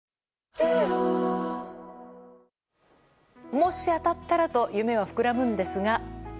もし当たったらと夢は膨らむんですが。